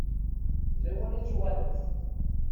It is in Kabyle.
D lawan ad tuɣalemt.